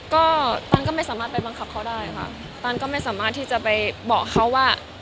ก็ตันก็ไม่สามารถไปบังคับเขาได้ค่ะตันก็ไม่สามารถที่จะไปบอกเขาว่า